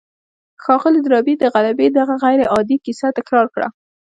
ښاغلي ډاربي د غلبې دغه غير عادي کيسه تکرار کړه.